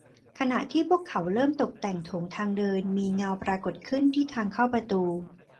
ขณะที่พวกเขาเริ่มตกแต่งโถงทางเดินมีเงาปรากฏขึ้นที่ทางเข้าประตู